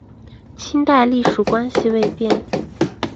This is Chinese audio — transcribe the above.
清代隶属关系未变。